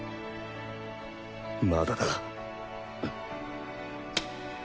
まだだ！